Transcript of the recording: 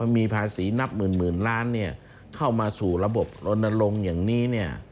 มีภาษีนับหมื่นล้านเข้ามาสู่ระบบลนลงอย่างนี้